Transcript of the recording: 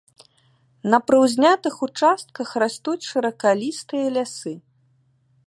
На прыўзнятых участках растуць шыракалістыя лясы.